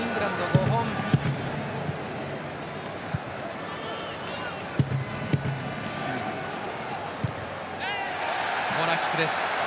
コーナーキックです。